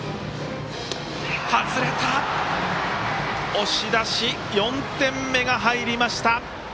押し出し、４点目が入りました。